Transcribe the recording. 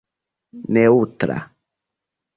neŭtra